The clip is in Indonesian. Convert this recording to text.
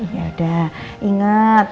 ya udah inget